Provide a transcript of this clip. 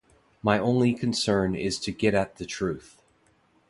My only concern is to get at the truth.